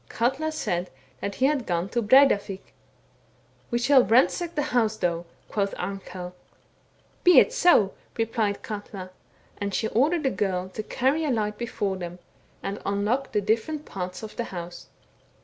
Katla said that he had gone to Breidavik. ' We shall ransack the house though,' quoth Arnkell. * Be it so,' replied Eatia, and she ordered a girl to carry a light before them, and unlock the different parts of the house.